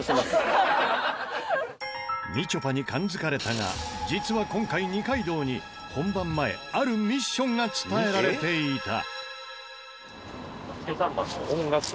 みちょぱに感づかれたが実は今回二階堂に本番前あるミッションが伝えられていた。